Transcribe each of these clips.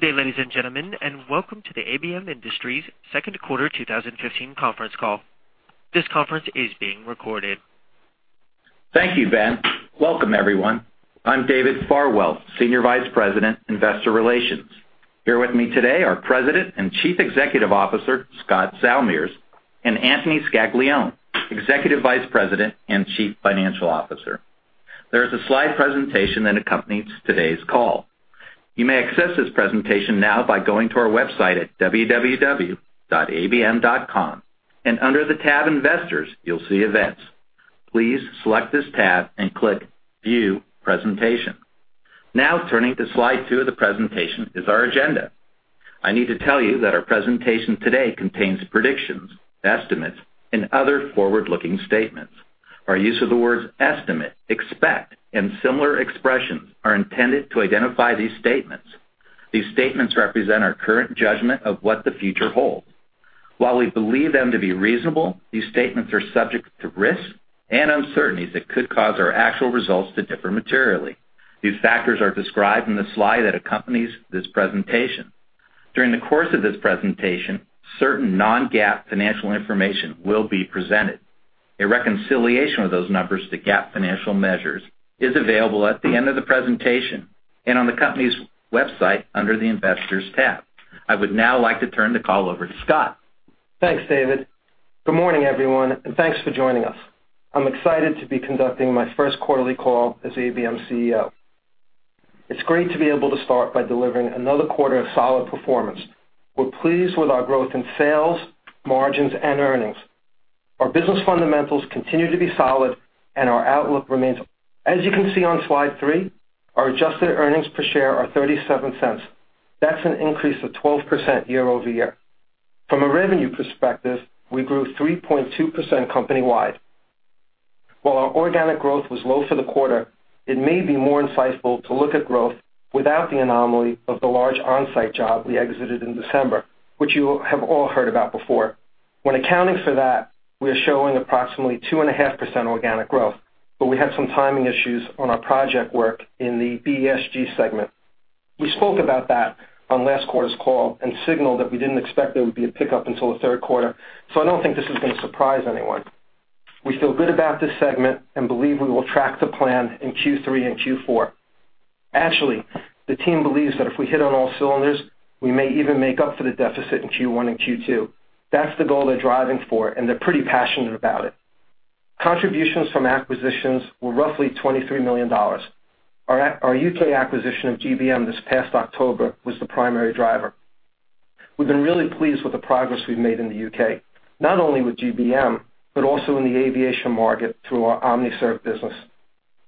Good day, ladies and gentlemen, and welcome to the ABM Industries second quarter 2015 conference call. This conference is being recorded. Thank you, Ben. Welcome everyone. I'm David Silver, Senior Vice President, Investor Relations. Here with me today are President and Chief Executive Officer, Scott Salmirs, and Anthony Scaglione, Executive Vice President and Chief Financial Officer. There is a slide presentation that accompanies today's call. You may access this presentation now by going to our website at www.abm.com, and under the tab Investors, you'll see Events. Please select this tab and click View Presentation. Turning to slide two of the presentation is our agenda. I need to tell you that our presentation today contains predictions, estimates, and other forward-looking statements. Our use of the words estimate, expect, and similar expressions are intended to identify these statements. These statements represent our current judgment of what the future holds. While we believe them to be reasonable, these statements are subject to risks and uncertainties that could cause our actual results to differ materially. These factors are described in the slide that accompanies this presentation. During the course of this presentation, certain non-GAAP financial information will be presented. A reconciliation of those numbers to GAAP financial measures is available at the end of the presentation and on the company's website under the Investors tab. I would now like to turn the call over to Scott. Thanks, David. Good morning, everyone, and thanks for joining us. I'm excited to be conducting my first quarterly call as ABM CEO. It's great to be able to start by delivering another quarter of solid performance. We're pleased with our growth in sales, margins, and earnings. Our business fundamentals continue to be solid and our outlook remains. As you can see on slide three, our adjusted earnings per share are $0.37. That's an increase of 12% year-over-year. From a revenue perspective, we grew 3.2% company-wide. While our organic growth was low for the quarter, it may be more insightful to look at growth without the anomaly of the large on-site job we exited in December, which you have all heard about before. When accounting for that, we are showing approximately 2.5% organic growth, we had some timing issues on our project work in the BESG segment. We spoke about that on last quarter's call and signaled that we didn't expect there would be a pickup until the third quarter. I don't think this is going to surprise anyone. We feel good about this segment and believe we will track to plan in Q3 and Q4. Actually, the team believes that if we hit on all cylinders, we may even make up for the deficit in Q1 and Q2. That's the goal they're driving for, and they're pretty passionate about it. Contributions from acquisitions were roughly $23 million. Our U.K. acquisition of GBM this past October was the primary driver. We've been really pleased with the progress we've made in the U.K., not only with GBM but also in the aviation market through our OmniServ business.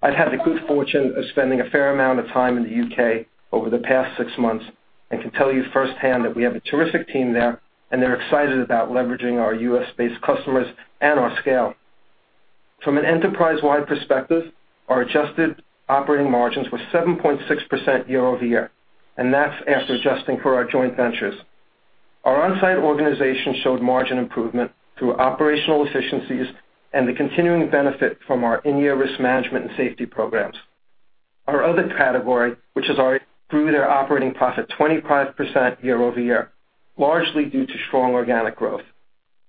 I've had the good fortune of spending a fair amount of time in the U.K. over the past six months and can tell you firsthand that we have a terrific team there, and they're excited about leveraging our U.S.-based customers and our scale. From an enterprise-wide perspective, our adjusted operating margins were 7.6% year-over-year, and that's after adjusting for our joint ventures. Our on-site organization showed margin improvement through operational efficiencies and the continuing benefit from our Risk Management and safety programs. Our other category grew their operating profit 25% year-over-year, largely due to strong organic growth.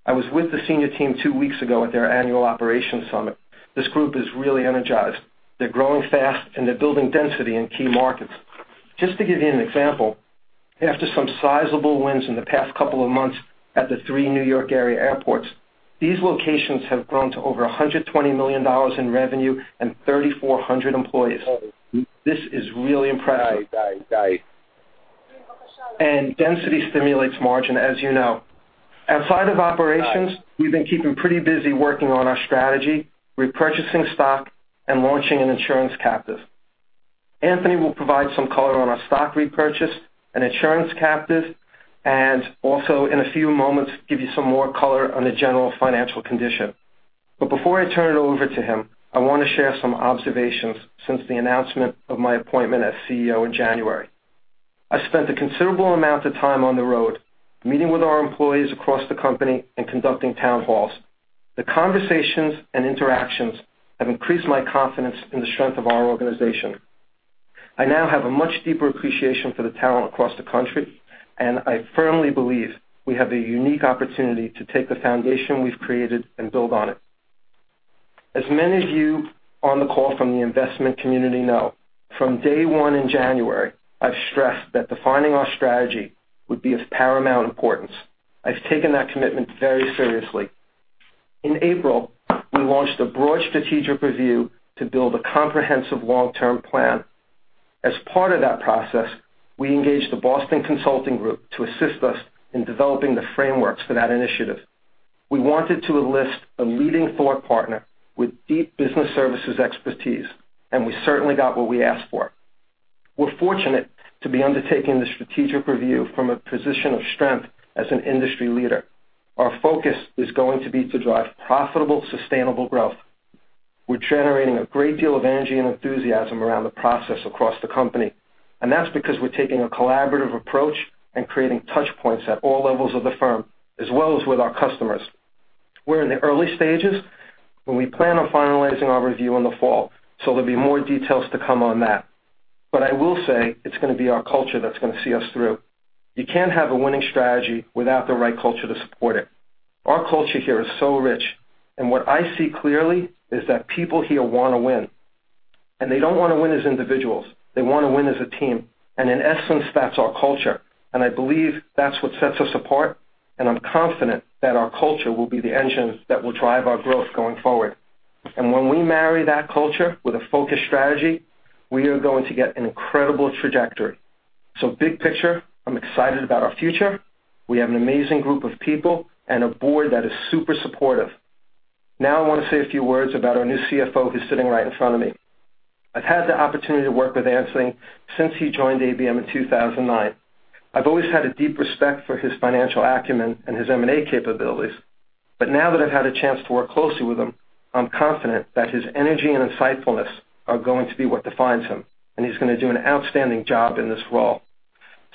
I was with the senior team two weeks ago at their annual operations summit. This group is really energized. They're growing fast, and they're building density in key markets. Just to give you an example, after some sizable wins in the past couple of months at the three N.Y. area airports, these locations have grown to over $120 million in revenue and 3,400 employees. This is really impressive. Density stimulates margin, as you know. Outside of operations, we've been keeping pretty busy working on our strategy, repurchasing stock and launching an insurance captive. Anthony will provide some color on our stock repurchase and insurance captive, and also in a few moments, give you some more color on the general financial condition. Before I turn it over to him, I want to share some observations since the announcement of my appointment as CEO in January. I spent a considerable amount of time on the road meeting with our employees across the company and conducting town halls. The conversations and interactions have increased my confidence in the strength of our organization. I now have a much deeper appreciation for the talent across the country, and I firmly believe we have the unique opportunity to take the foundation we've created and build on it. As many of you on the call from the investment community know, from day one in January, I've stressed that defining our strategy would be of paramount importance. I've taken that commitment very seriously. In April, we launched a broad strategic review to build a comprehensive long-term plan. As part of that process, we engaged the Boston Consulting Group to assist us in developing the frameworks for that initiative. We wanted to enlist a leading thought partner with deep business services expertise, and we certainly got what we asked for. We're fortunate to be undertaking the strategic review from a position of strength as an industry leader. Our focus is going to be to drive profitable, sustainable growth. We're generating a great deal of energy and enthusiasm around the process across the company, and that's because we're taking a collaborative approach and creating touch points at all levels of the firm as well as with our customers. We're in the early stages, we plan on finalizing our review in the fall, there'll be more details to come on that. I will say it's going to be our culture that's going to see us through. You can't have a winning strategy without the right culture to support it. Our culture here is so rich, what I see clearly is that people here want to win, and they don't want to win as individuals. They want to win as a team. In essence, that's our culture, and I believe that's what sets us apart, and I'm confident that our culture will be the engine that will drive our growth going forward. When we marry that culture with a focused strategy, we are going to get an incredible trajectory. Big picture, I'm excited about our future. We have an amazing group of people and a board that is super supportive. I want to say a few words about our new CFO, who's sitting right in front of me. I've had the opportunity to work with Anthony since he joined ABM in 2009. I've always had a deep respect for his financial acumen and his M&A capabilities. Now that I've had a chance to work closely with him, I'm confident that his energy and insightfulness are going to be what defines him, and he's going to do an outstanding job in this role.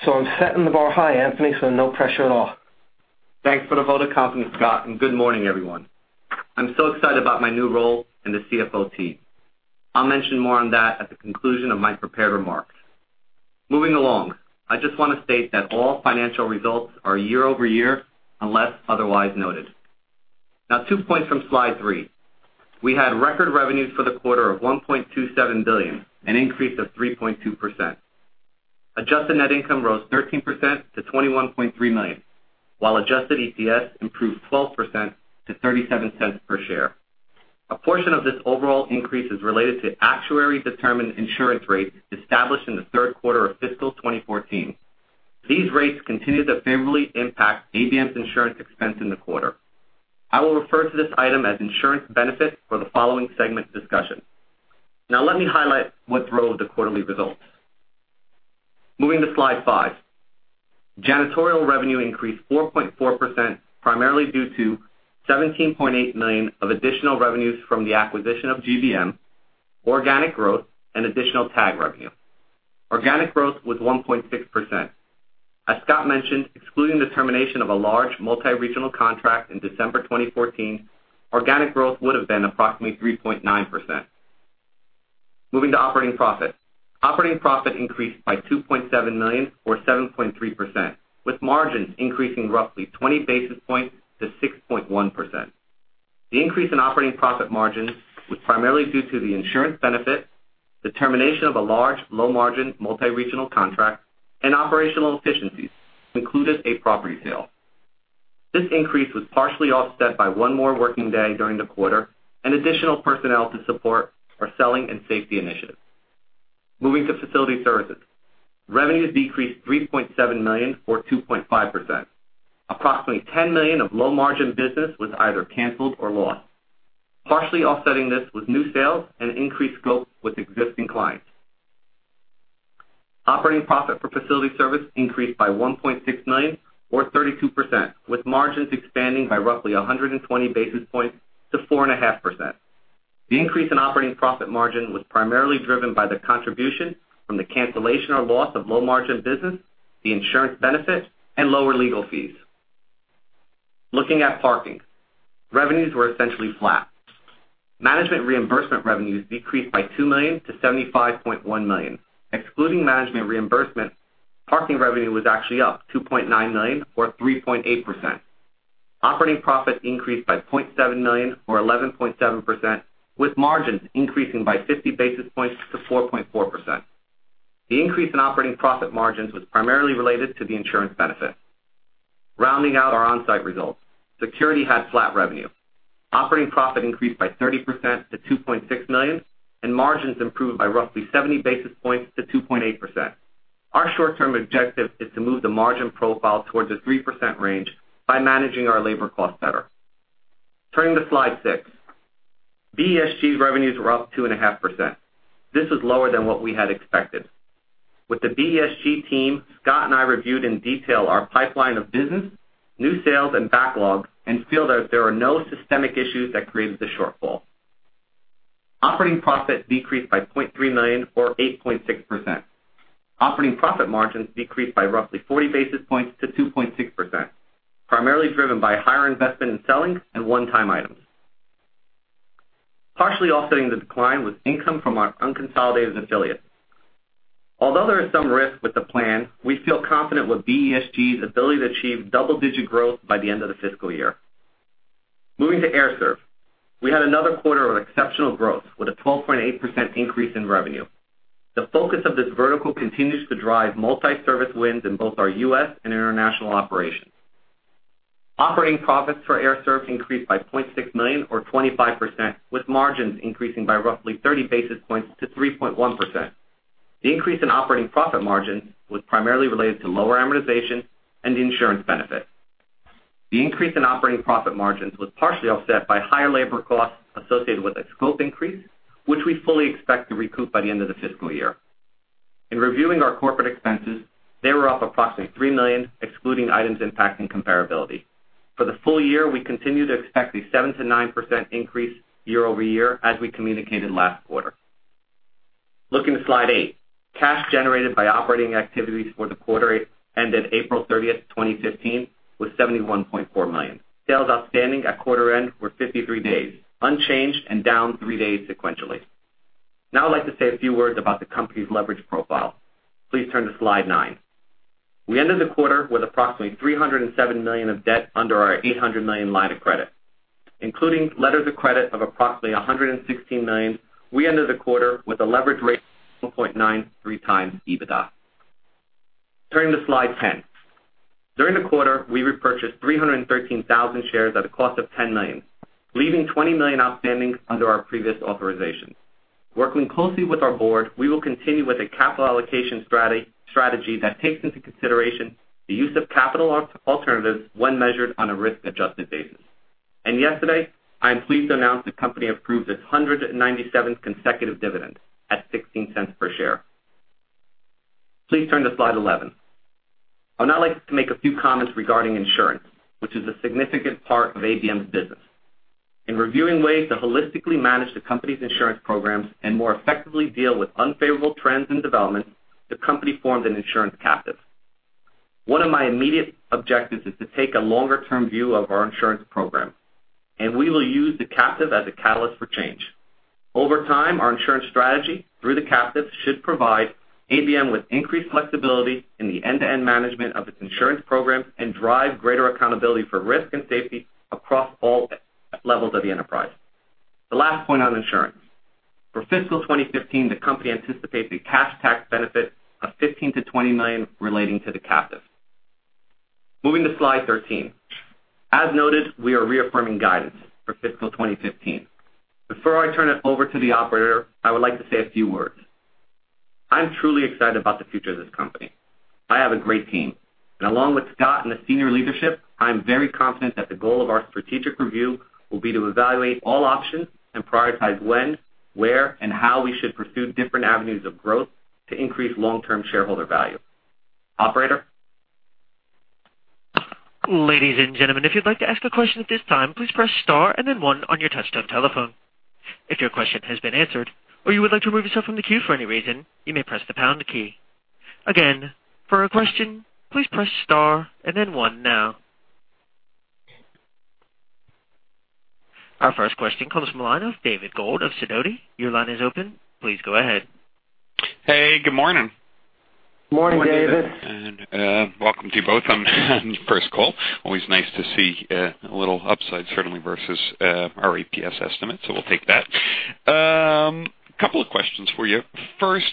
I'm setting the bar high, Anthony. No pressure at all. Thanks for the vote of confidence, Scott. Good morning, everyone. I'm so excited about my new role in the CFO team. I'll mention more on that at the conclusion of my prepared remarks. Moving along, I just want to state that all financial results are year-over-year, unless otherwise noted. Two points from slide three. We had record revenues for the quarter of $1.27 billion, an increase of 3.2%. Adjusted net income rose 13% to $21.3 million, while adjusted EPS improved 12% to $0.37 per share. A portion of this overall increase is related to actuary-determined insurance rates established in the third quarter of fiscal 2014. These rates continue to favorably impact ABM's insurance expense in the quarter. I will refer to this item as insurance benefit for the following segment discussion. Let me highlight what drove the quarterly results. Moving to slide five. Janitorial revenue increased 4.4%, primarily due to $17.8 million of additional revenues from the acquisition of GBM, organic growth, and additional TAG revenue. Organic growth was 1.6%. As Scott mentioned, excluding the termination of a large multi-regional contract in December 2014, organic growth would have been approximately 3.9%. Moving to operating profit. Operating profit increased by $2.7 million or 7.3%, with margins increasing roughly 20 basis points to 6.1%. The increase in operating profit margin was primarily due to the insurance benefit, the termination of a large low-margin multi-regional contract, and operational efficiencies, including a property sale. This increase was partially offset by one more working day during the quarter and additional personnel to support our selling and safety initiatives. Moving to facility services. Revenues decreased $3.7 million or 2.5%. Approximately $10 million of low-margin business was either canceled or lost. Partially offsetting this was new sales and increased scope with existing clients. Operating profit for facility service increased by $1.6 million or 32%, with margins expanding by roughly 120 basis points to 4.5%. The increase in operating profit margin was primarily driven by the contribution from the cancellation or loss of low-margin business, the insurance benefit, and lower legal fees. Looking at parking. Revenues were essentially flat. Management reimbursement revenues decreased by $2 million to $75.1 million. Excluding management reimbursement, parking revenue was actually up $2.9 million or 3.8%. Operating profit increased by $0.7 million or 11.7%, with margins increasing by 50 basis points to 4.4%. The increase in operating profit margins was primarily related to the insurance benefit. Rounding out our onsite results. Security had flat revenue. Operating profit increased by 30% to $2.6 million, and margins improved by roughly 70 basis points to 2.8%. Our short-term objective is to move the margin profile towards the 3% range by managing our labor costs better. Turning to slide six. BESG revenues were up 2.5%. This was lower than what we had expected. With the BESG team, Scott and I reviewed in detail our pipeline of business, new sales, and backlogs and feel that there are no systemic issues that created the shortfall. Operating profit decreased by $0.3 million or 8.6%. Operating profit margins decreased by roughly 40 basis points to 2.6%, primarily driven by higher investment in selling and one-time items. Partially offsetting the decline was income from our unconsolidated affiliates. Although there is some risk with the plan, we feel confident with BESG's ability to achieve double-digit growth by the end of the fiscal year. Moving to Air Serv. We had another quarter of exceptional growth with a 12.8% increase in revenue. The focus of this vertical continues to drive multi-service wins in both our U.S. and international operations. Operating profits for Air Serv increased by $0.6 million or 25%, with margins increasing by roughly 30 basis points to 3.1%. The increase in operating profit margins was primarily related to lower amortization and the insurance benefit. The increase in operating profit margins was partially offset by higher labor costs associated with a scope increase, which we fully expect to recoup by the end of the fiscal year. In reviewing our corporate expenses, they were up approximately $3 million, excluding items impacting comparability. For the full year, we continue to expect a 7%-9% increase year-over-year as we communicated last quarter. Looking to slide eight. Cash generated by operating activities for the quarter ended April 30th, 2015, was $71.4 million. Sales outstanding at quarter end were 53 days, unchanged and down three days sequentially. I'd like to say a few words about the company's leverage profile. Please turn to slide nine. We ended the quarter with approximately $307 million of debt under our $800 million line of credit. Including letters of credit of approximately $116 million, we ended the quarter with a leverage rate of 2.93 times EBITDA. Turning to slide 10. During the quarter, we repurchased 313,000 shares at a cost of $10 million, leaving $20 million outstanding under our previous authorizations. Working closely with our board, we will continue with a capital allocation strategy that takes into consideration the use of capital alternatives when measured on a risk-adjusted basis. Yesterday, I am pleased to announce the company approved its 197th consecutive dividend at $0.16 per share. Please turn to slide 11. I would now like to make a few comments regarding insurance, which is a significant part of ABM's business. In reviewing ways to holistically manage the company's insurance programs and more effectively deal with unfavorable trends and developments, the company formed an insurance captive. One of my immediate objectives is to take a longer-term view of our insurance program. We will use the captive as a catalyst for change. Over time, our insurance strategy through the captive should provide ABM with increased flexibility in the end-to-end management of its insurance program and drive greater accountability for risk and safety across all levels of the enterprise. The last point on insurance. For fiscal 2015, the company anticipates a cash tax benefit of $15 million-$20 million relating to the captive. Moving to slide 13. As noted, we are reaffirming guidance for fiscal 2015. Before I turn it over to the operator, I would like to say a few words. I'm truly excited about the future of this company. I have a great team. Along with Scott and the senior leadership, I am very confident that the goal of our strategic review will be to evaluate all options and prioritize when, where, and how we should pursue different avenues of growth to increase long-term shareholder value. Operator? Ladies and gentlemen, if you'd like to ask a question at this time, please press star and then one on your touchtone telephone. If your question has been answered or you would like to remove yourself from the queue for any reason, you may press the pound key. Again, for a question, please press star and then one now. Our first question comes from the line of David Gold of Sidoti & Company. Your line is open. Please go ahead. Hey, good morning. Morning, David. Welcome to you both on your first call. Always nice to see a little upside, certainly, versus our EPS estimate, so we'll take that. A couple of questions for you. First,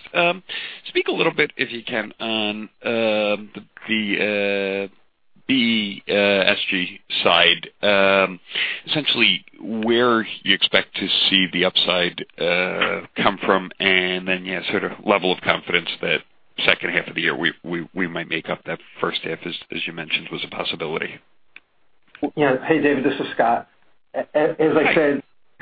speak a little bit, if you can, on the BESG side. Essentially, where you expect to see the upside come from, then yeah, sort of level of confidence that second half of the year we might make up that first half, as you mentioned, was a possibility. Yeah. Hey, David, this is Scott.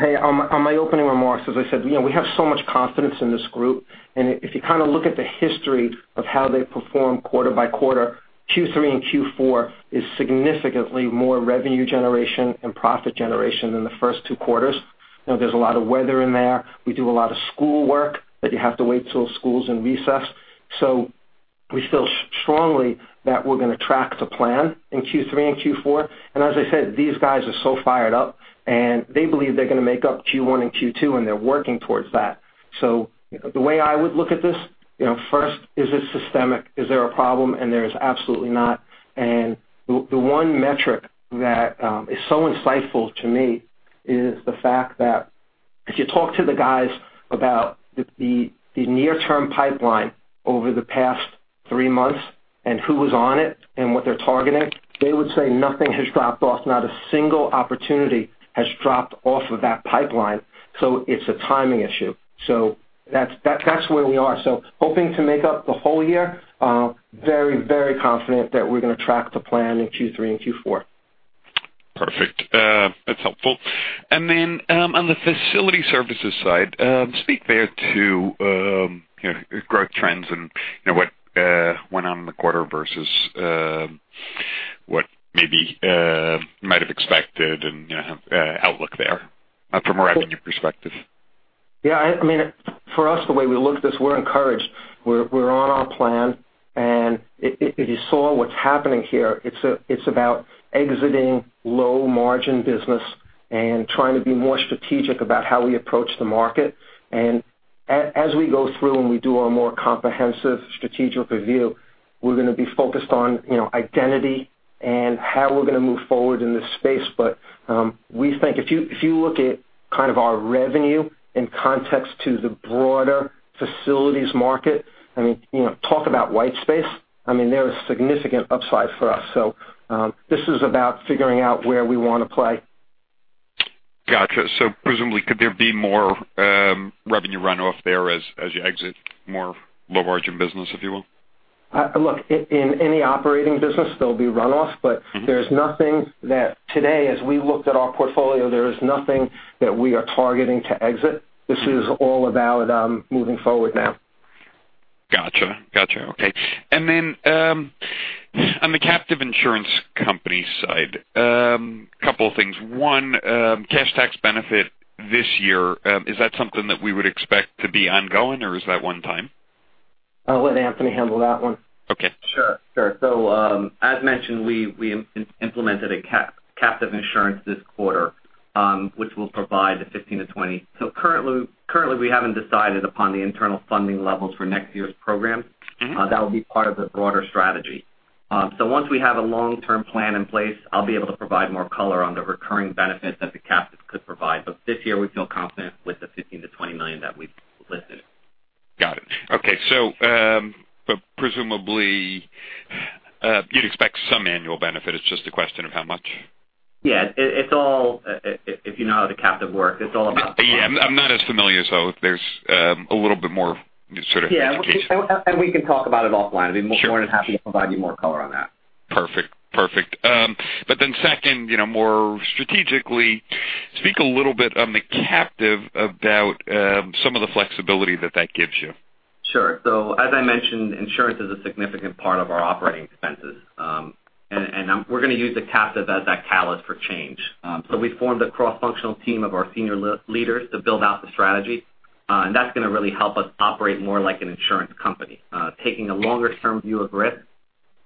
On my opening remarks, as I said we have so much confidence in this group, if you kind of look at the history of how they perform quarter by quarter, Q3 and Q4 is significantly more revenue generation and profit generation than the first two quarters. There's a lot of weather in there. We do a lot of school work that you have to wait till school's in recess. We feel strongly that we're going to track to plan in Q3 and Q4. As I said, these guys are so fired up, they believe they're going to make up Q1 and Q2, they're working towards that. The way I would look at this, first, is it systemic? Is there a problem? There is absolutely not. The one metric that is so insightful to me is the fact that if you talk to the guys about the near-term pipeline over the past three months and who was on it and what they're targeting, they would say nothing has dropped off. Not a single opportunity has dropped off of that pipeline. It's a timing issue. That's where we are. Hoping to make up the whole year. Very confident that we're going to track the plan in Q3 and Q4. Perfect. That's helpful. Then, on the facility services side, speak there to growth trends and what went on in the quarter versus what maybe might have expected and outlook there from a revenue perspective. Yeah. For us, the way we look at this, we're encouraged. We're on our plan, and if you saw what's happening here, it's about exiting low-margin business and trying to be more strategic about how we approach the market. As we go through and we do our more comprehensive strategic review, we're going to be focused on identity and how we're going to move forward in this space. We think if you look at kind of our revenue in context to the broader facilities market, talk about white space. There is significant upside for us. This is about figuring out where we want to play. Got you. Presumably could there be more revenue runoff there as you exit more low-margin business, if you will? Look, in any operating business, there'll be runoff, but there's nothing that today, as we looked at our portfolio, there is nothing that we are targeting to exit. This is all about moving forward now. Got you. Okay. On the captive insurance company side, a couple of things. One, cash tax benefit this year, is that something that we would expect to be ongoing, or is that one time? I'll let Anthony handle that one. Okay. Sure. As mentioned, we implemented a captive insurance this quarter, which will provide the $15-$20. Currently, we haven't decided upon the internal funding levels for next year's program. That will be part of the broader strategy. Once we have a long-term plan in place, I'll be able to provide more color on the recurring benefit that the captives could provide. This year, we feel confident with the $15 million-$20 million that we've listed. Got it. Okay. Presumably, you'd expect some annual benefit. It's just a question of how much. Yeah. If you know how the captive work, it's all about. Yeah. I'm not as familiar. There's a little bit more sort of education. Yeah. We can talk about it offline. Sure. I'd be more than happy to provide you more color on that. Perfect. Then second, more strategically, speak a little bit on the captive about some of the flexibility that that gives you. Sure. As I mentioned, insurance is a significant part of our operating expenses. We're going to use the captive as that catalyst for change. We formed a cross-functional team of our senior leaders to build out the strategy. That's going to really help us operate more like an insurance company, taking a longer-term view of risk.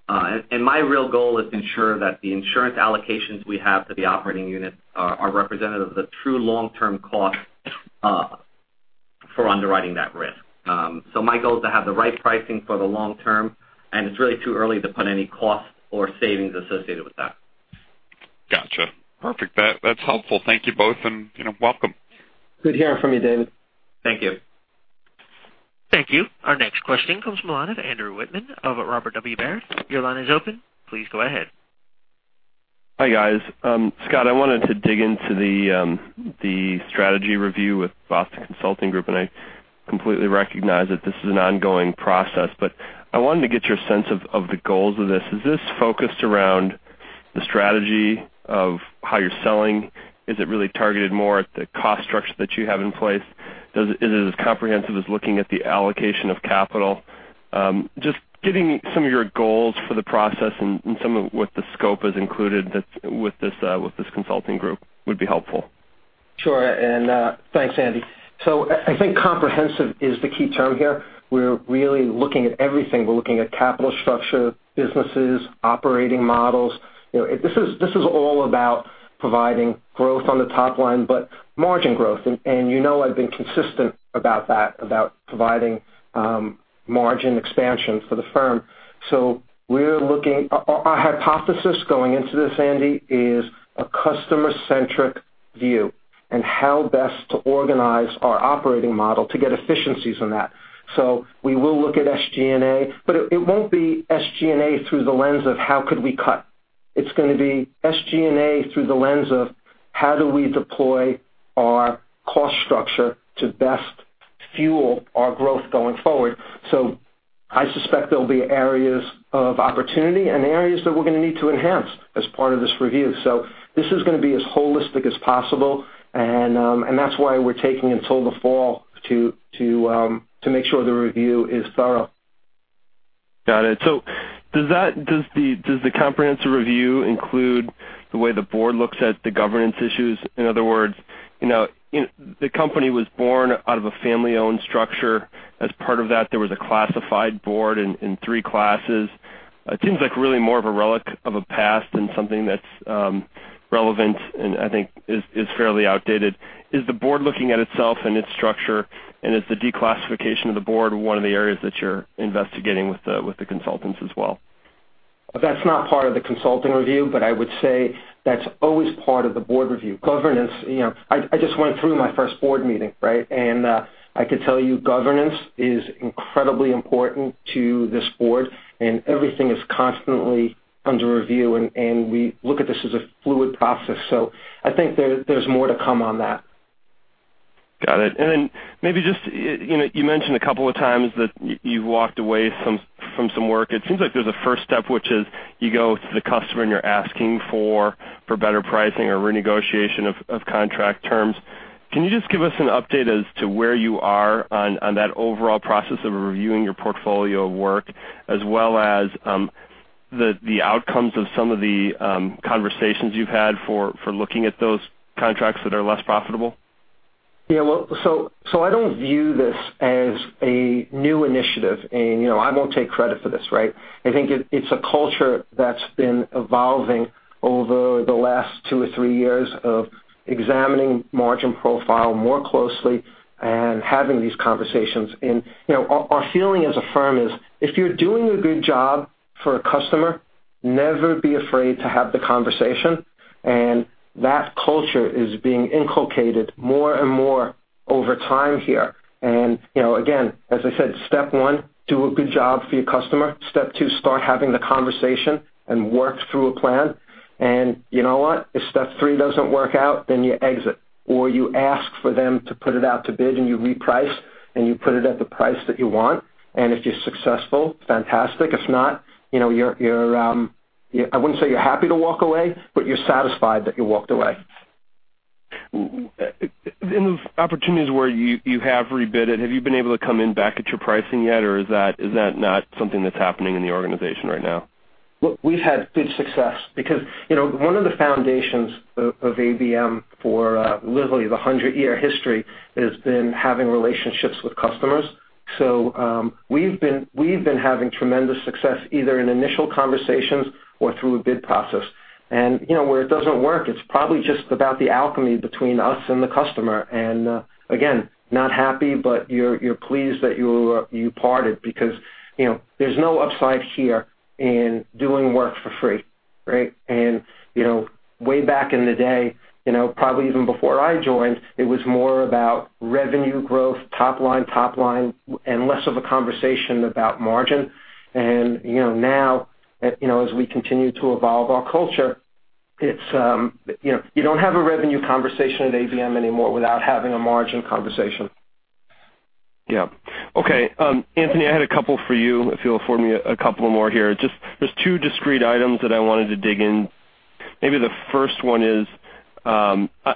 My real goal is to ensure that the insurance allocations we have to the operating units are representative of the true long-term cost for underwriting that risk. My goal is to have the right pricing for the long term, and it's really too early to put any cost or savings associated with that. Got you. Perfect. That's helpful. Thank you both, and welcome. Good hearing from you, David. Thank you. Thank you. Our next question comes from the line of Andrew Wittmann of Robert W. Baird. Your line is open. Please go ahead. Hi, guys. Scott, I wanted to dig into the strategy review with Boston Consulting Group. I completely recognize that this is an ongoing process, but I wanted to get your sense of the goals of this. Is this focused around the strategy of how you're selling? Is it really targeted more at the cost structure that you have in place? Is it as comprehensive as looking at the allocation of capital? Just giving some of your goals for the process and some of what the scope has included with this consulting group would be helpful. Sure. Thanks, Andy. I think comprehensive is the key term here. We're really looking at everything. We're looking at capital structure, businesses, operating models. This is all about providing growth on the top line, but margin growth. You know I've been consistent about that, about providing margin expansion for the firm. Our hypothesis going into this, Andy, is a customer-centric view and how best to organize our operating model to get efficiencies on that. We will look at SG&A, but it won't be SG&A through the lens of how could we cut. It's going to be SG&A through the lens of how do we deploy our cost structure to best fuel our growth going forward. I suspect there'll be areas of opportunity and areas that we're going to need to enhance as part of this review. This is going to be as holistic as possible, and that's why we're taking until the fall to make sure the review is thorough. Got it. Does the comprehensive review include the way the board looks at the governance issues? In other words, the company was born out of a family-owned structure. As part of that, there was a classified board in 3 classes. It seems like really more of a relic of a past than something that's relevant, and I think is fairly outdated. Is the board looking at itself and its structure, and is the declassification of the board one of the areas that you're investigating with the consultants as well? That's not part of the consulting review, but I would say that's always part of the board review. I just went through my first board meeting, right? I could tell you governance is incredibly important to this board, and everything is constantly under review, and we look at this as a fluid process. I think there's more to come on that. Got it. Then maybe just, you mentioned a couple of times that you've walked away from some work. It seems like there's a 1st step, which is you go to the customer and you're asking for better pricing or renegotiation of contract terms. Can you just give us an update as to where you are on that overall process of reviewing your portfolio of work as well as the outcomes of some of the conversations you've had for looking at those contracts that are less profitable? Yeah. I don't view this as a new initiative, and I won't take credit for this, right? I think it's a culture that's been evolving over the last two or three years of examining margin profile more closely and having these conversations. Our feeling as a firm is, if you're doing a good job for a customer, never be afraid to have the conversation, and that culture is being inculcated more and more over time here. Again, as I said, step 1, do a good job for your customer. Step 2, start having the conversation and work through a plan. You know what? If step 3 doesn't work out, then you exit, or you ask for them to put it out to bid and you reprice, and you put it at the price that you want, and if you're successful, fantastic. If not, I wouldn't say you're happy to walk away, but you're satisfied that you walked away. In the opportunities where you have rebid it, have you been able to come in back at your pricing yet? Is that not something that's happening in the organization right now? Look, we've had good success because one of the foundations of ABM for literally the 100-year history has been having relationships with customers. We've been having tremendous success, either in initial conversations or through a bid process. Where it doesn't work, it's probably just about the alchemy between us and the customer. Again, not happy, but you're pleased that you parted because there's no upside here in doing work for free, right? Way back in the day, probably even before I joined, it was more about revenue growth, top line, and less of a conversation about margin. Now, as we continue to evolve our culture, you don't have a revenue conversation at ABM anymore without having a margin conversation. Yeah. Okay. Anthony, I had a couple for you, if you'll afford me a couple more here. Just there's two discrete items that I wanted to dig in. Maybe the first one is,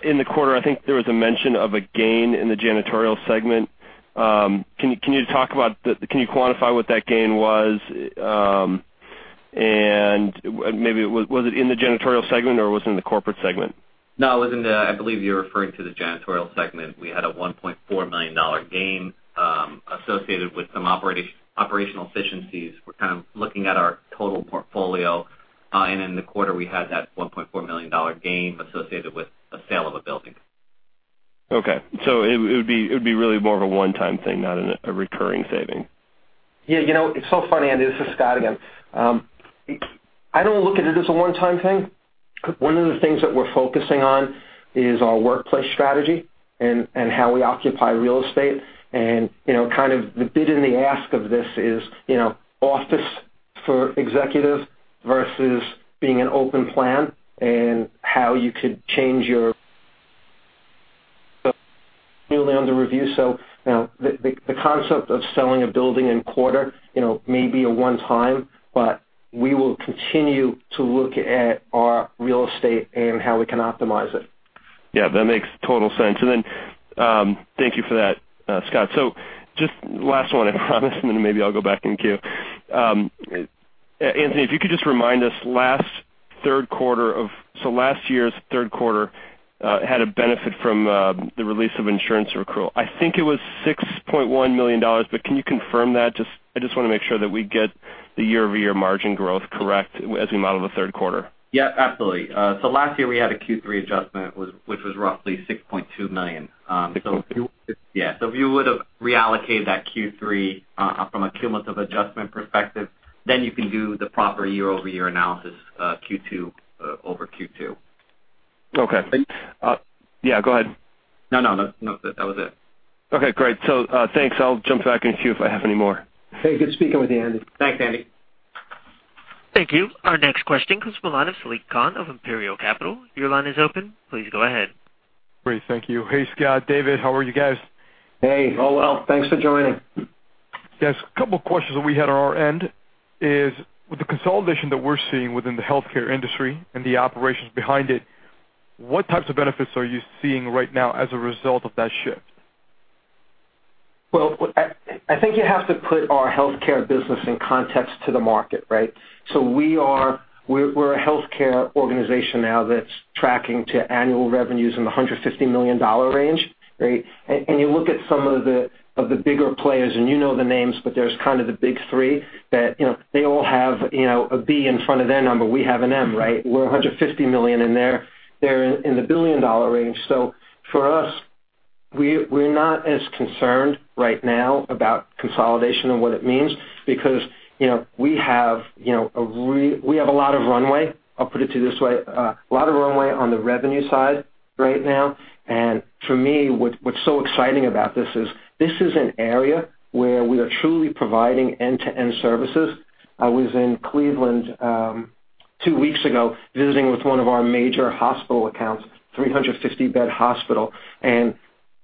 in the quarter, I think there was a mention of a gain in the janitorial segment. Can you quantify what that gain was? Maybe was it in the janitorial segment, or was it in the corporate segment? No, I believe you're referring to the janitorial segment. We had a $1.4 million gain, associated with some operational efficiencies. We're kind of looking at our total portfolio. In the quarter, we had that $1.4 million gain associated with the sale of a building. It would be really more of a one-time thing, not a recurring saving. Yeah. It's so funny, Andy. This is Scott again. I don't look at it as a one-time thing. One of the things that we're focusing on is our workplace strategy and how we occupy real estate. Kind of the bid and the ask of this is office for executive versus being an open plan, and how you could change your under review. The concept of selling a building in quarter may be a one-time, but we will continue to look at our real estate and how we can optimize it. Yeah, that makes total sense. Thank you for that, Scott. Just last one, I promise, and then maybe I'll go back in queue. Anthony, if you could just remind us, so last year's third quarter had a benefit from the release of insurance accrual. I think it was $6.1 million, but can you confirm that? I just want to make sure that we get the year-over-year margin growth correct as we model the third quarter. Yeah, absolutely. Last year, we had a Q3 adjustment, which was roughly $6.2 million. 6.2. If you would've reallocated that Q3 from a cumulative adjustment perspective, then you can do the proper year-over-year analysis, Q2 over Q2. Okay. And- Go ahead. No, that was it. Okay, great. Thanks. I'll jump back in queue if I have any more. Hey, good speaking with you, Andy. Thanks, Andy. Thank you. Our next question comes from the line of Sameet Sinha of Imperial Capital. Your line is open. Please go ahead. Great. Thank you. Hey, Scott, David. How are you guys? Hey. All well. Thanks for joining. Couple of questions that we had on our end is, with the consolidation that we're seeing within the healthcare industry and the operations behind it, what types of benefits are you seeing right now as a result of that shift? I think you have to put our healthcare business in context to the market, right? We're a healthcare organization now that's tracking to annual revenues in the $150 million range, right? You look at some of the bigger players, and you know the names, but there's kind of the big three that they all have a B in front of their number. We have an M, right? We're $150 million, and they're in the billion-dollar range. For us, we're not as concerned right now about consolidation and what it means because we have a lot of runway. I'll put it to you this way. A lot of runway on the revenue side right now. For me, what's so exciting about this is, this is an area where we are truly providing end-to-end services. I was in Cleveland two weeks ago, visiting with one of our major hospital accounts, 350-bed hospital.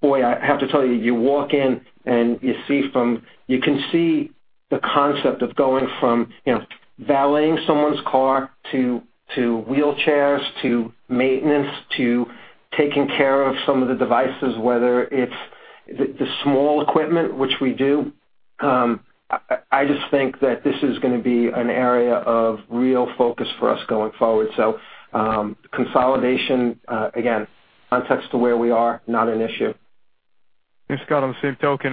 Boy, I have to tell you walk in, and you can see the concept of going from valeting someone's car to wheelchairs, to maintenance, to taking care of some of the devices, whether it's the small equipment, which we do. I just think that this is going to be an area of real focus for us going forward. Consolidation, again, context to where we are, not an issue. Scott, on the same token,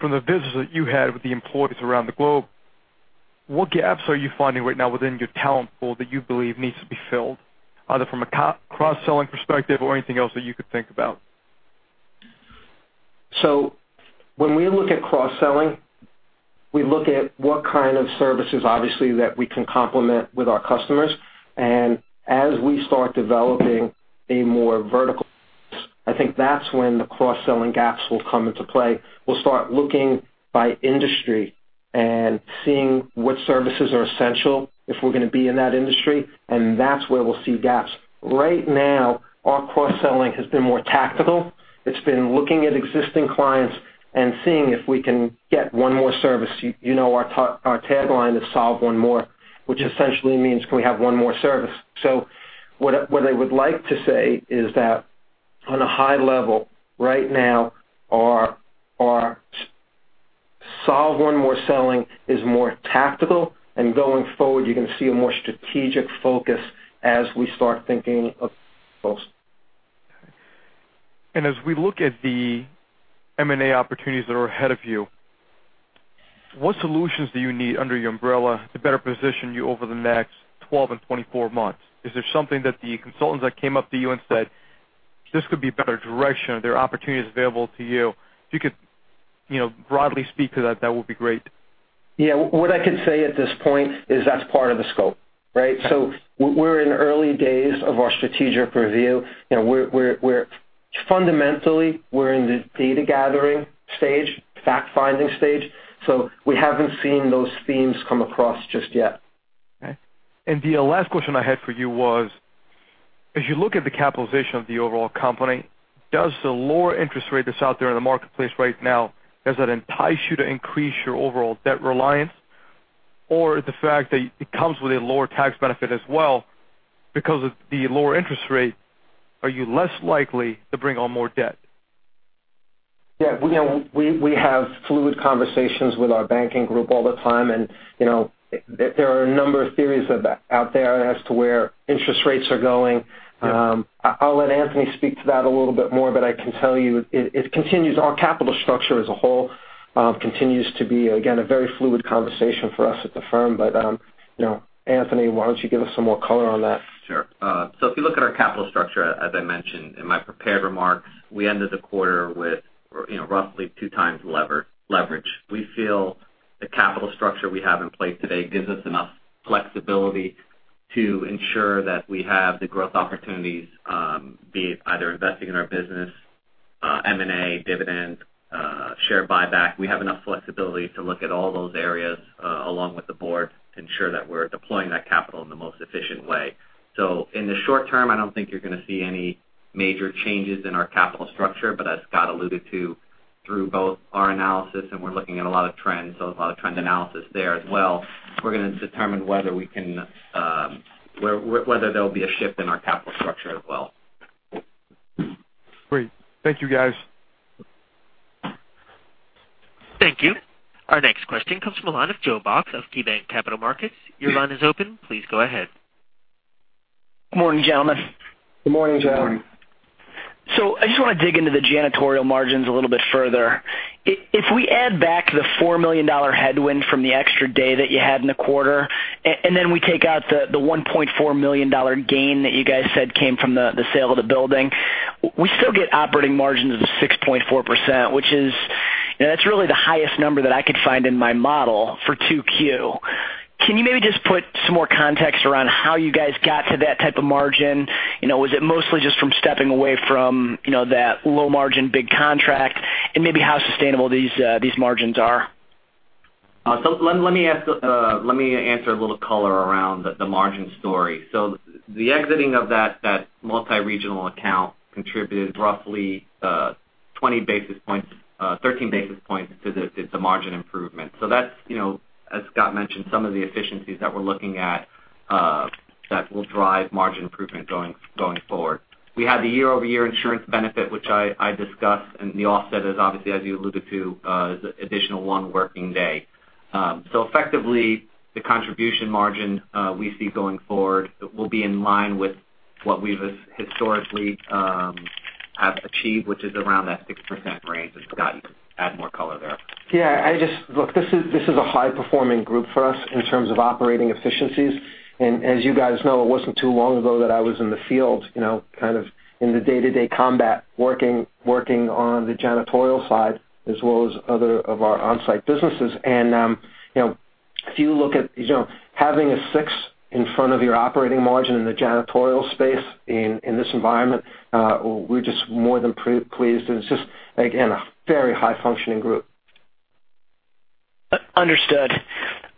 from the visits that you had with the employees around the globe, what gaps are you finding right now within your talent pool that you believe needs to be filled, either from a cross-selling perspective or anything else that you could think about? When we look at cross-selling, we look at what kind of services, obviously, that we can complement with our customers. As we start developing, I think that is when the cross-selling gaps will come into play. We will start looking by industry and seeing what services are essential if we are going to be in that industry, and that is where we will see gaps. Right now, our cross-selling has been more tactical. It has been looking at existing clients and seeing if we can get one more service. You know our tagline is Solve One More, which essentially means, can we have one more service? What I would like to say is that on a high level, right now, our Solve One More selling is more tactical, and going forward, you are going to see a more strategic focus as we start thinking. As we look at the M&A opportunities that are ahead of you, what solutions do you need under your umbrella to better position you over the next 12 and 24 months? Is there something that the consultants that came up to you and said, "This could be a better direction. Are there opportunities available to you?" If you could broadly speak to that would be great. Yeah. What I could say at this point is that is part of the scope, right? We are in early days of our strategic review. Fundamentally, we are in the data gathering stage, fact-finding stage, so we have not seen those themes come across just yet. The last question I had for you was, as you look at the capitalization of the overall company, does the lower interest rate that's out there in the marketplace right now, does that entice you to increase your overall debt reliance? Or the fact that it comes with a lower tax benefit as well because of the lower interest rate, are you less likely to bring on more debt? Yeah. We have fluid conversations with our banking group all the time. There are a number of theories out there as to where interest rates are going. Yeah. I'll let Anthony speak to that a little bit more, I can tell you, our capital structure as a whole continues to be, again, a very fluid conversation for us at the firm. Anthony, why don't you give us some more color on that? Sure. If you look at our capital structure, as I mentioned in my prepared remarks, we ended the quarter with roughly two times leverage. We feel the capital structure we have in place today gives us enough flexibility to ensure that we have the growth opportunities, be it either investing in our business, M&A, dividend, share buyback. We have enough flexibility to look at all those areas along with the board to ensure that we're deploying that capital in the most efficient way. In the short term, I don't think you're going to see any major changes in our capital structure, as Scott alluded to through both our analysis and we're looking at a lot of trends, there's a lot of trend analysis there as well. We're going to determine whether there'll be a shift in our capital structure as well. Great. Thank you, guys. Thank you. Our next question comes from the line of Joe Box of KeyBanc Capital Markets. Your line is open. Please go ahead. Good morning, gentlemen. Good morning, Joe. Good morning. I just want to dig into the janitorial margins a little bit further. If we add back the $4 million headwind from the extra day that you had in the quarter, then we take out the $1.4 million gain that you guys said came from the sale of the building, we still get operating margins of 6.4%. That's really the highest number that I could find in my model for 2Q. Can you maybe just put some more context around how you guys got to that type of margin? Was it mostly just from stepping away from that low margin, big contract? Maybe how sustainable these margins are? Let me answer a little color around the margin story. The exiting of that multi-regional account contributed roughly 13 basis points to the margin improvement. That's, as Scott mentioned, some of the efficiencies that we're looking at that will drive margin improvement going forward. We had the year-over-year insurance benefit, which I discussed, the offset is obviously, as you alluded to, the additional one working day. Effectively, the contribution margin we see going forward will be in line with what we've historically have achieved, which is around that 6% range, Scott, you can add more color there. Yeah. Look, this is a high-performing group for us in terms of operating efficiencies. As you guys know, it wasn't too long ago that I was in the field, kind of in the day-to-day combat, working on the janitorial side as well as other of our on-site businesses. If you look at having a six in front of your operating margin in the janitorial space in this environment, we're just more than pleased, it's just, again, a very high-functioning group. Understood.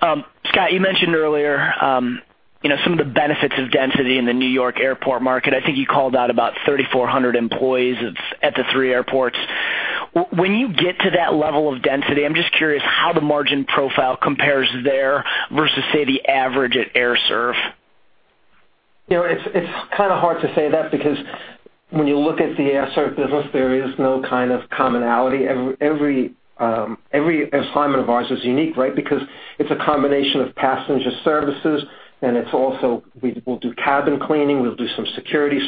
Scott, you mentioned earlier some of the benefits of density in the New York Airport market. I think you called out about 3,400 employees at the three airports. When you get to that level of density, I'm just curious how the margin profile compares there versus, say, the average at Air Serv. It's kind of hard to say that because when you look at the Air Serv business, there is no kind of commonality. Every assignment of ours is unique, right? Because it's a combination of passenger services, and it's also we'll do cabin cleaning, we'll do some security.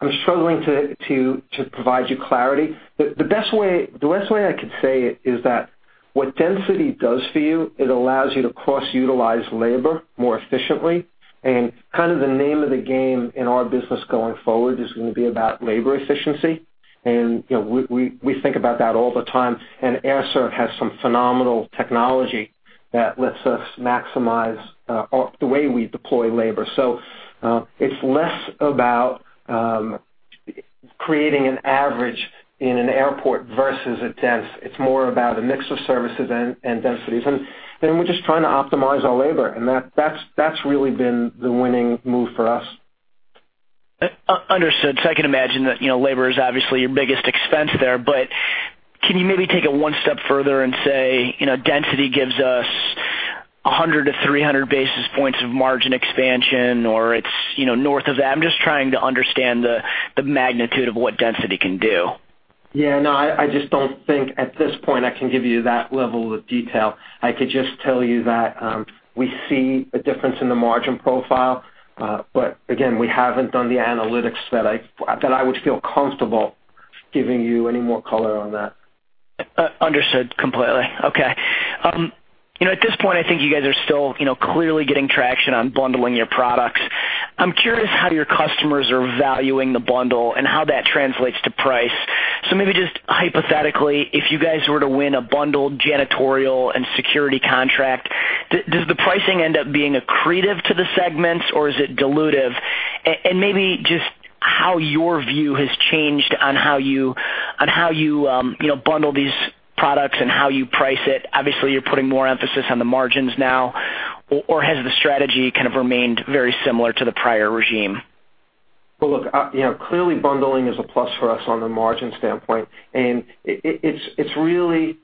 I'm struggling to provide you clarity. The best way I could say it is that what density does for you, it allows you to cross-utilize labor more efficiently. Kind of the name of the game in our business going forward is going to be about labor efficiency, and we think about that all the time. Air Serv has some phenomenal technology that lets us maximize the way we deploy labor. It's less about creating an average in an airport versus a dense. It's more about a mix of services and densities. We're just trying to optimize our labor, and that's really been the winning move for us. Understood. I can imagine that labor is obviously your biggest expense there, but can you maybe take it one step further and say, "Density gives us" 100 to 300 basis points of margin expansion or it's north of that? I'm just trying to understand the magnitude of what density can do. No, I just don't think at this point I can give you that level of detail. I could just tell you that, we see a difference in the margin profile. Again, we haven't done the analytics that I would feel comfortable giving you any more color on that. Understood completely. Okay. At this point, I think you guys are still clearly getting traction on bundling your products. I'm curious how your customers are valuing the bundle and how that translates to price. Maybe just hypothetically, if you guys were to win a bundled janitorial and security contract, does the pricing end up being accretive to the segments or is it dilutive? Maybe just how your view has changed on how you bundle these products and how you price it. Obviously, you're putting more emphasis on the margins now, or has the strategy kind of remained very similar to the prior regime? Look, clearly bundling is a plus for us on the margin standpoint, and it's really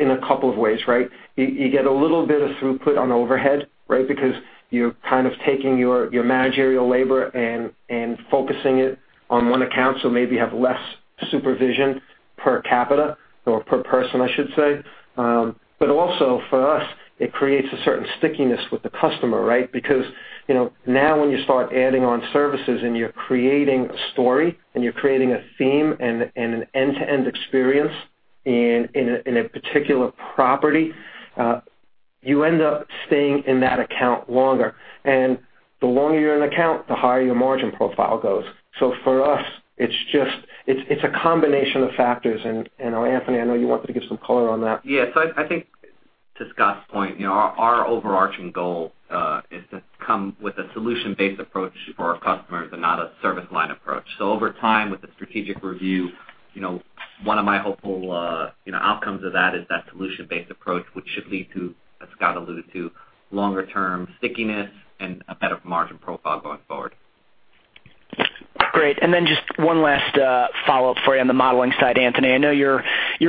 in a couple of ways, right? You get a little bit of throughput on overhead, right? Because you're kind of taking your managerial labor and focusing it on one account, so maybe have less supervision per capita or per person, I should say. Also for us, it creates a certain stickiness with the customer, right? Because now when you start adding on services and you're creating a story and you're creating a theme and an end-to-end experience in a particular property, you end up staying in that account longer. The longer you're in an account, the higher your margin profile goes. For us, it's a combination of factors. Anthony, I know you wanted to give some color on that. Yeah. I think to Scott's point, our overarching goal, is to come with a solution-based approach for our customers and not a service line approach. Over time, with the strategic review, one of my hopeful outcomes of that is that solution-based approach, which should lead to, as Scott alluded to, longer term stickiness and a better margin profile going forward. Great. Then just one last follow-up for you on the modeling side, Anthony. I know your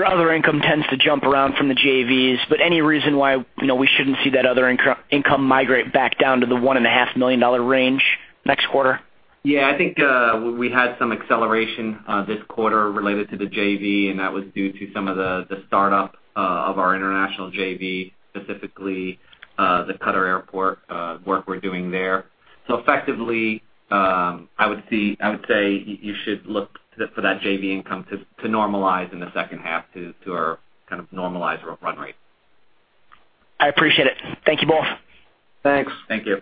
other income tends to jump around from the JVs, but any reason why we shouldn't see that other income migrate back down to the $1.5 million range next quarter? Yeah, I think we had some acceleration this quarter related to the JV, and that was due to some of the startup of our international JV, specifically the Qatar Airport work we're doing there. Effectively, I would say you should look for that JV income to normalize in the second half to our kind of normalized run rate. I appreciate it. Thank you both. Thanks. Thank you.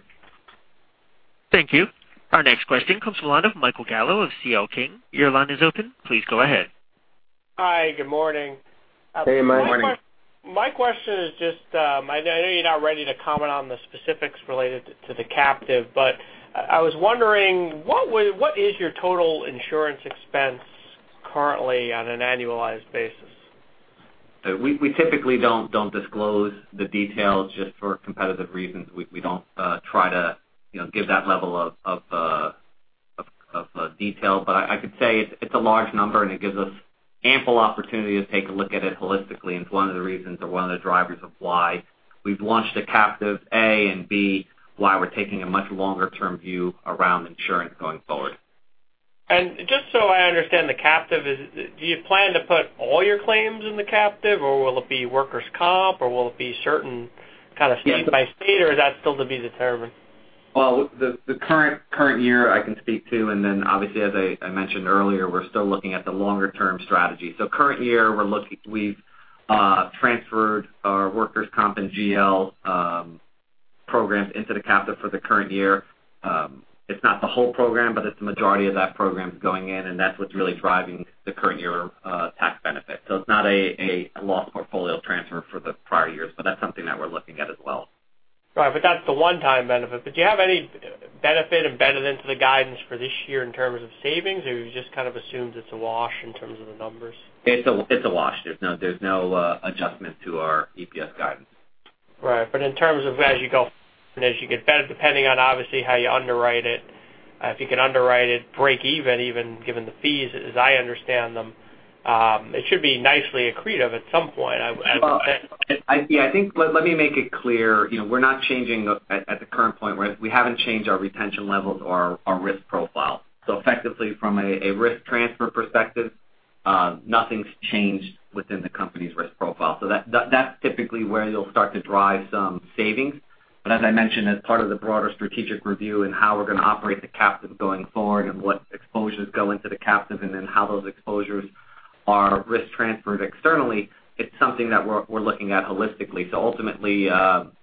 Thank you. Our next question comes from the line of Michael Gallo of C.L. King. Your line is open. Please go ahead. Hi. Good morning. Hey, Mike. Morning. My question is just, I know you're not ready to comment on the specifics related to the captive, but I was wondering, what is your total insurance expense currently on an annualized basis? We typically don't disclose the details just for competitive reasons. We don't try to give that level of detail. I could say it's a large number, and it gives us ample opportunity to take a look at it holistically. It's one of the reasons or one of the drivers of why we've launched a captive, A, and B, why we're taking a much longer-term view around insurance going forward. Just so I understand the captive, do you plan to put all your claims in the captive, or will it be workers' comp, or will it be certain kind of state by state, or is that still to be determined? Well, the current year I can speak to, obviously, as I mentioned earlier, we're still looking at the longer term strategy. Current year, we've transferred our workers' comp and GL programs into the captive for the current year. It's not the whole program, it's the majority of that program going in, and that's what's really driving the current year tax benefit. It's not a lost portfolio transfer for the prior years, that's something that we're looking at as well. Right. That's the one-time benefit. Do you have any benefit embedded into the guidance for this year in terms of savings, or you've just kind of assumed it's a wash in terms of the numbers? It's a wash. There's no adjustment to our EPS guidance. Right. In terms of as you go and as you get better, depending on obviously how you underwrite it, if you can underwrite it, break even given the fees as I understand them, it should be nicely accretive at some point, I would think. Yeah. Let me make it clear. We're not changing at the current point. We haven't changed our retention levels or our risk profile. Effectively, from a risk transfer perspective, nothing's changed within the company's risk profile. That's typically where you'll start to drive some savings. As I mentioned, as part of the broader strategic review and how we're going to operate the captive going forward and what exposures go into the captive and then how those exposures are risk transferred externally, it's something that we're looking at holistically. Ultimately,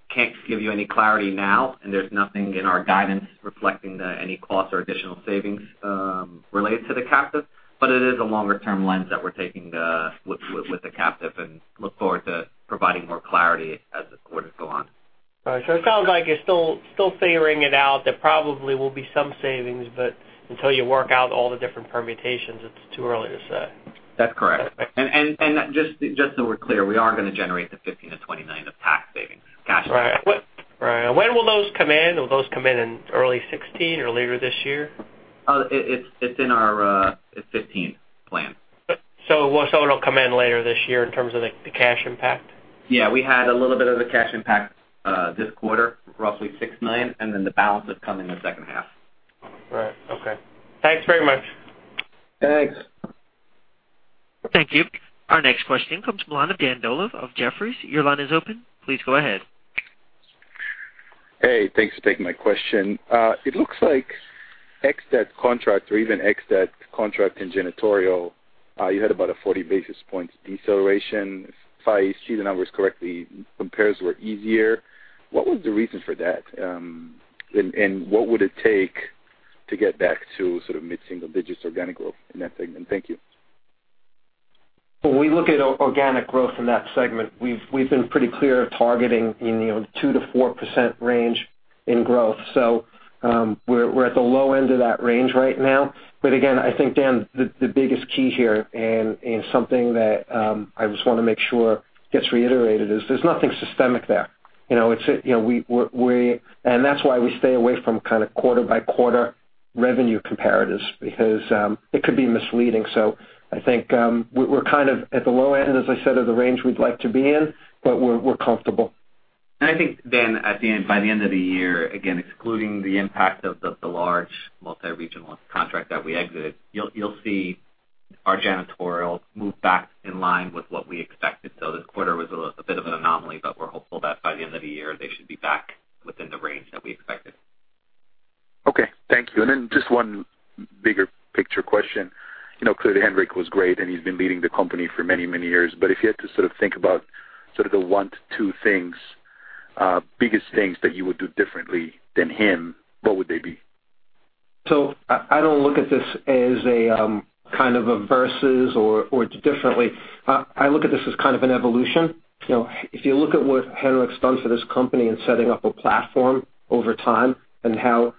can't give you any clarity now, and there's nothing in our guidance reflecting any costs or additional savings related to the captive. It is a longer-term lens that we're taking with the captive and look forward to providing more clarity as the quarters go on. All right. It sounds like you're still figuring it out. There probably will be some savings, but until you work out all the different permutations, it's too early to say. That's correct. Just so we're clear, we are going to generate the $15 million-$20 million of tax savings cash. Right. When will those come in? Will those come in in early 2016 or later this year? It's in our 2015 plan. It'll come in later this year in terms of the cash impact? Yeah, we had a little bit of a cash impact this quarter, roughly $6 million, then the balance will come in the second half. Right. Okay. Thanks very much. Thanks. Thank you. Our next question comes from the line of Dan Dolev of Jefferies. Your line is open. Please go ahead. Hey, thanks for taking my question. It looks like ex that contract or even ex that contract in janitorial, you had about a 40 basis points deceleration. If I see the numbers correctly, compares were easier. What was the reason for that? What would it take to get back to mid-single digits organic growth in that segment? Thank you. When we look at organic growth in that segment, we've been pretty clear of targeting in the 2%-4% range in growth. We're at the low end of that range right now. Again, I think, Dan, the biggest key here, and something that I just want to make sure gets reiterated, is there's nothing systemic there. That's why we stay away from kind of quarter-by-quarter revenue comparatives, because it could be misleading. I think we're kind of at the low end, as I said, of the range we'd like to be in, but we're comfortable. I think, Dan, by the end of the year, again, excluding the impact of the large multi-regional contract that we exited, you'll see our janitorial move back in line with what we expected. This quarter was a bit of an anomaly, we're hopeful that by the end of the year, they should be back within the range that we expected. Okay. Thank you. Then just one bigger picture question. Clearly, Henrik was great, he's been leading the company for many, many years, if you had to sort of think about sort of the one to two things, biggest things that you would do differently than him, what would they be? I don't look at this as a kind of a versus or differently. I look at this as kind of an evolution. If you look at what Henrik's done for this company in setting up a platform over time and how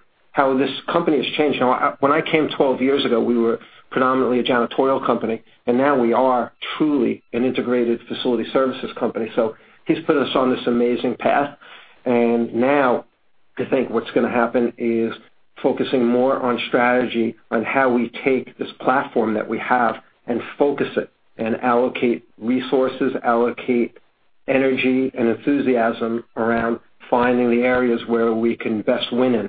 this company has changed. When I came 12 years ago, we were predominantly a janitorial company, now we are truly an integrated facility services company. He's put us on this amazing path. Now I think what's going to happen is focusing more on strategy, on how we take this platform that we have and focus it and allocate resources, allocate energy and enthusiasm around finding the areas where we can best win in.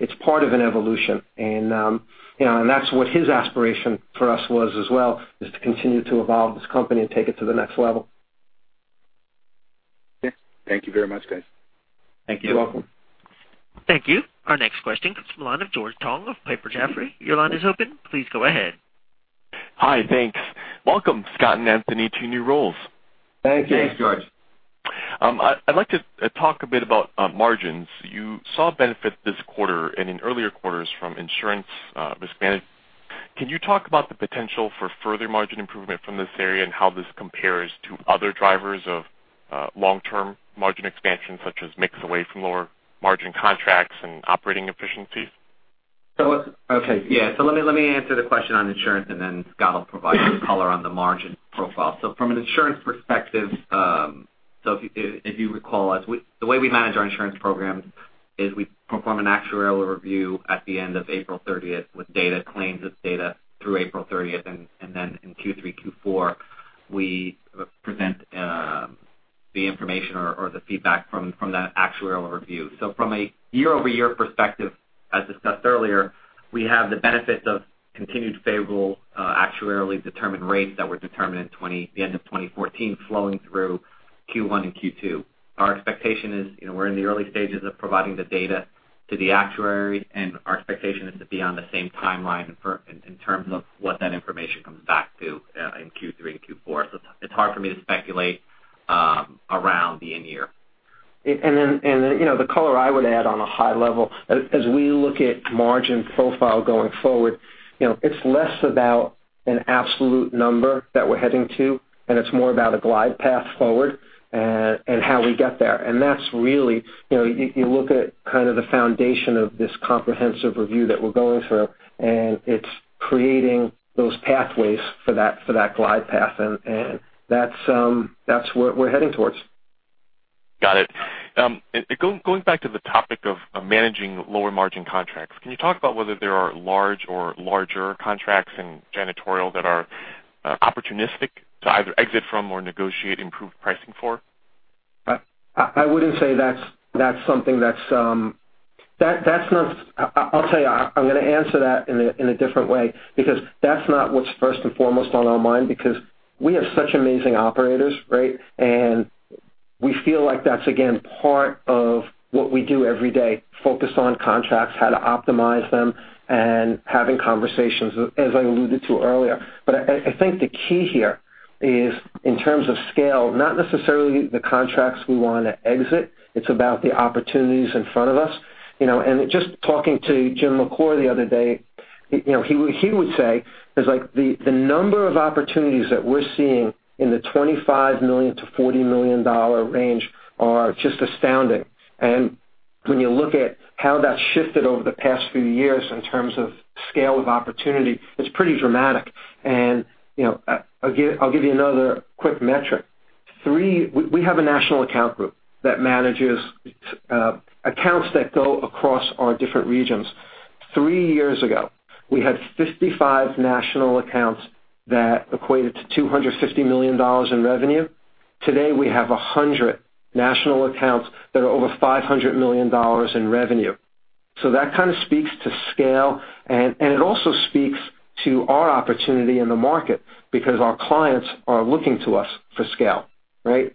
It's part of an evolution. That's what his aspiration for us was as well, is to continue to evolve this company and take it to the next level. Thank you very much, guys. Thank you. You're welcome. Thank you. Our next question comes from the line of George Tong of Piper Jaffray. Your line is open. Please go ahead. Hi. Thanks. Welcome, Scott and Anthony, to your new roles. Thank you. Thanks, George. I'd like to talk a bit about margins. You saw benefit this quarter and in earlier quarters from insurance Risk Management. Can you talk about the potential for further margin improvement from this area and how this compares to other drivers of long-term margin expansion, such as mix away from lower margin contracts and operating efficiencies? Yeah. Let me answer the question on insurance and then Scott Salmirs will provide some color on the margin profile. From an insurance perspective, if you recall, the way we manage our insurance programs is we perform an actuarial review at the end of April 30th with data claims, it's data through April 30th, and then in Q3, Q4, we present the information or the feedback from that actuarial review. From a year-over-year perspective, as discussed earlier, we have the benefit of continued favorable actuarially determined rates that were determined at the end of 2014 flowing through Q1 and Q2. We're in the early stages of providing the data to the actuary, and our expectation is to be on the same timeline in terms of what that information comes back to in Q3 and Q4. It's hard for me to speculate around the in-year. Then, the color I would add on a high level, as we look at margin profile going forward, it's less about an absolute number that we're heading to, and it's more about a glide path forward and how we get there. That's really, you look at kind of the foundation of this comprehensive review that we're going through, and it's creating those pathways for that glide path, and that's what we're heading towards. Got it. Going back to the topic of managing lower margin contracts, can you talk about whether there are large or larger contracts in janitorial that are opportunistic to either exit from or negotiate improved pricing for? I'll tell you, I'm going to answer that in a different way because that's not what's first and foremost on our mind, because we have such amazing operators, right? We feel like that's, again, part of what we do every day, focus on contracts, how to optimize them, and having conversations, as I alluded to earlier. I think the key here is in terms of scale, not necessarily the contracts we want to exit. It's about the opportunities in front of us. Just talking to Jim McClure the other day, he would say, the number of opportunities that we're seeing in the $25 million-$40 million range are just astounding. When you look at how that's shifted over the past few years in terms of scale of opportunity, it's pretty dramatic. I'll give you another quick metric. We have a national account group that manages accounts that go across our different regions. Three years ago, we had 55 national accounts that equated to $250 million in revenue. Today, we have 100 national accounts that are over $500 million in revenue. That kind of speaks to scale, and it also speaks to our opportunity in the market because our clients are looking to us for scale, right?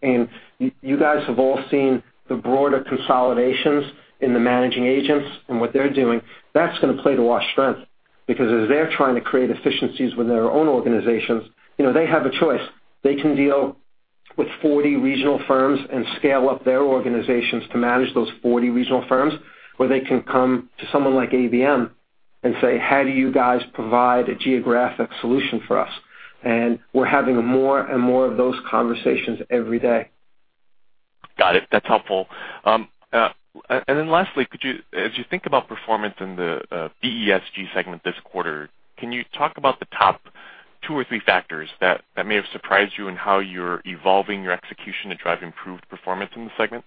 You guys have all seen the broader consolidations in the managing agents and what they're doing. That's going to play to our strength, because as they're trying to create efficiencies with their own organizations, they have a choice. They can deal with 40 regional firms and scale up their organizations to manage those 40 regional firms. They can come to someone like ABM and say, "How do you guys provide a geographic solution for us?" We're having more and more of those conversations every day. Got it. That's helpful. Lastly, as you think about performance in the BESG segment this quarter, can you talk about the top two or three factors that may have surprised you in how you're evolving your execution to drive improved performance in the segment?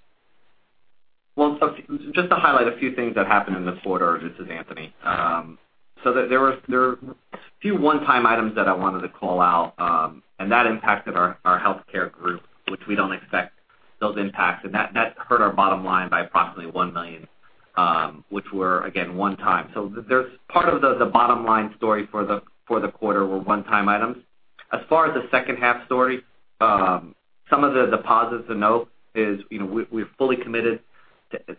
Just to highlight a few things that happened in the quarter. This is Anthony. There were a few one-time items that I wanted to call out, and that impacted our healthcare group, which we don't expect those impacts. That hurt our bottom line by approximately $1 million, which were, again, one time. Part of the bottom line story for the quarter were one-time items. As far as the second half story, some of the deposits to note is we're fully committed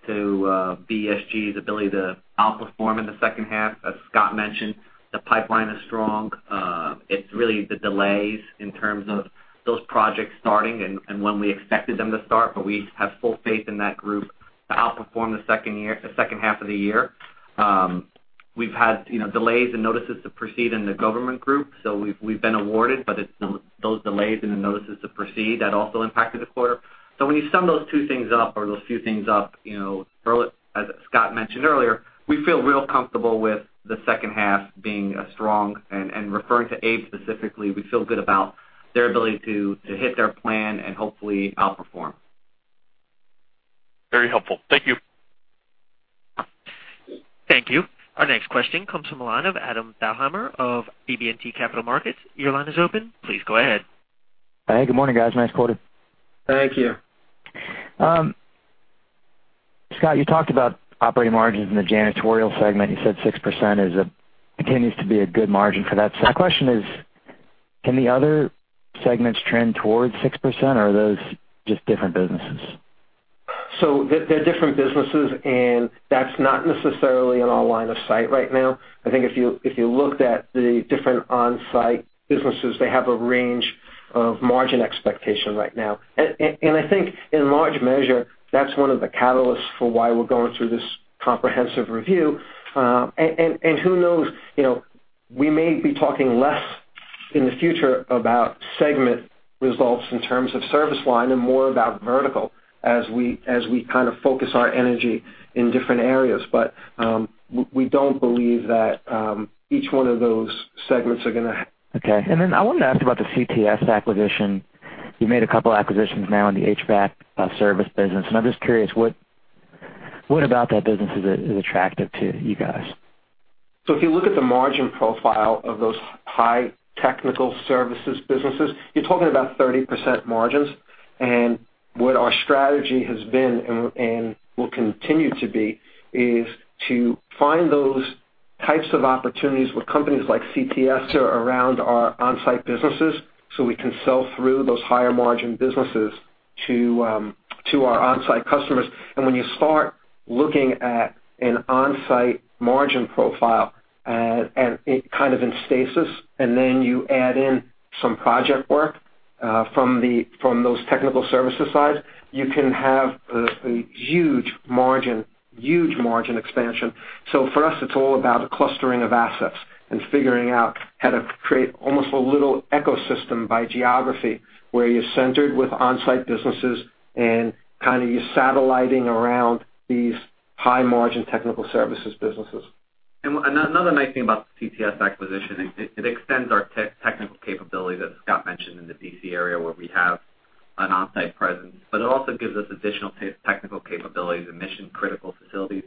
to BESG's ability to outperform in the second half. As Scott mentioned, the pipeline is strong. It's really the delays in terms of those projects starting and when we expected them to start, we have full faith in that group to outperform the second half of the year. We've had delays and notices to proceed in the government group. We've been awarded, it's those delays and the notices to proceed that also impacted the quarter. When you sum those two things up or those few things up, as Scott mentioned earlier, we feel real comfortable with the second half being strong and referring to BESG specifically, we feel good about their ability to hit their plan and hopefully outperform. Very helpful. Thank you. Thank you. Our next question comes from the line of Adam Baumgarten of BB&T Capital Markets. Your line is open. Please go ahead. Hey, good morning, guys. Nice quarter. Thank you. Scott, you talked about operating margins in the janitorial segment. You said 6% continues to be a good margin for that. My question is, can the other segments trend towards 6%, or are those just different businesses? They're different businesses, that's not necessarily in our line of sight right now. I think if you looked at the different on-site businesses, they have a range of margin expectation right now. I think in large measure, that's one of the catalysts for why we're going through this comprehensive review. Who knows? We may be talking less in the future about segment results in terms of service line and more about vertical as we kind of focus our energy in different areas. We don't believe that each one of those segments. Okay. Then I wanted to ask about the CTS acquisition. You made a couple acquisitions now in the HVAC service business, and I'm just curious, what about that business is attractive to you guys? If you look at the margin profile of those high technical services businesses, you're talking about 30% margins. What our strategy has been, and will continue to be, is to find those types of opportunities where companies like CTS are around our on-site businesses, so we can sell through those higher margin businesses to our on-site customers. When you start looking at an on-site margin profile, kind of in stasis, and then you add in some project work from those technical services side, you can have a huge margin expansion. For us, it's all about the clustering of assets and figuring out how to create almost a little ecosystem by geography, where you're centered with on-site businesses and kind of you're satelliting around these high margin technical services businesses. Another nice thing about the CTS acquisition, it extends our technical capability that Scott mentioned in the D.C. area, where we have an on-site presence. It also gives us additional technical capabilities in mission critical facilities.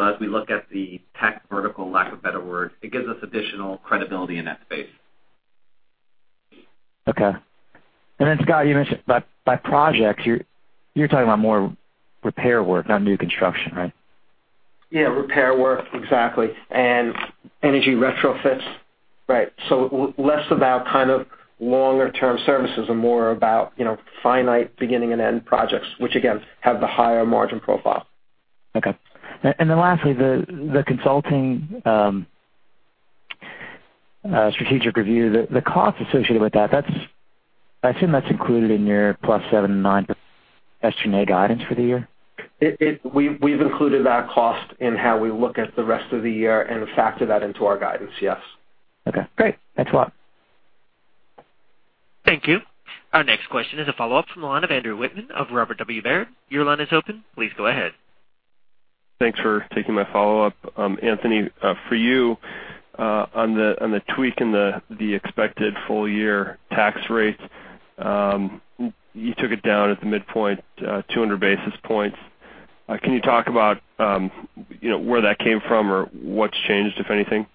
As we look at the tech vertical, lack of better word, it gives us additional credibility in that space. Okay. Scott, you mentioned by projects, you're talking about more repair work, not new construction, right? Yeah, repair work. Exactly. Energy retrofits. Right. Less about kind of longer-term services and more about finite beginning-and-end projects, which again, have the higher margin profile. Okay. Lastly, the consulting strategic review. The cost associated with that, I assume that's included in your plus 7%-9% SG&A guidance for the year? We've included that cost in how we look at the rest of the year and factor that into our guidance, yes. Okay, great. Thanks a lot. Thank you. Our next question is a follow-up from the line of Andrew Wittmann of Robert W. Baird. Your line is open. Please go ahead. Thanks for taking my follow-up. Anthony, for you, on the tweak in the expected full year tax rate, you took it down at the midpoint 200 basis points. Can you talk about where that came from or what's changed, if anything?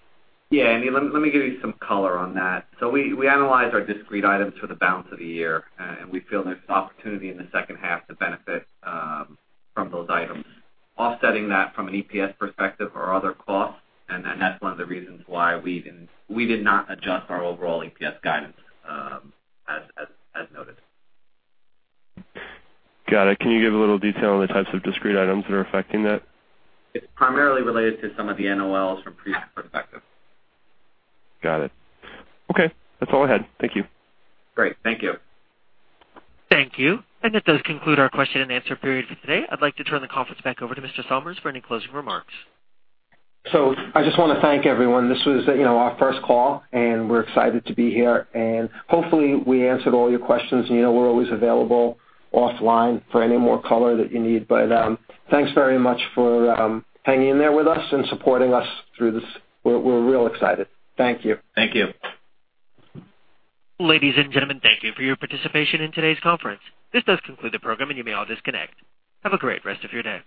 Yeah. Let me give you some color on that. We analyze our discrete items for the balance of the year, and we feel there's opportunity in the second half to benefit from those items. Offsetting that from an EPS perspective are other costs, and that's one of the reasons why we did not adjust our overall EPS guidance, as noted. Got it. Can you give a little detail on the types of discrete items that are affecting that? It's primarily related to some of the NOLs from Preet's perspective. Got it. Okay, that's all I had. Thank you. Great. Thank you. Thank you. That does conclude our question and answer period for today. I'd like to turn the conference back over to Mr. Salmirs for any closing remarks. I just want to thank everyone. This was our first call, and we're excited to be here. Hopefully, we answered all your questions, and you know we're always available offline for any more color that you need. Thanks very much for hanging in there with us and supporting us through this. We're real excited. Thank you. Thank you. Ladies and gentlemen, thank you for your participation in today's conference. This does conclude the program, and you may all disconnect. Have a great rest of your day.